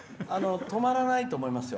止まらないと思います。